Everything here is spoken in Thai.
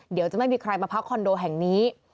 เดี๋ยวจะไม่มีใครมาพักคอนโดแห่งนี้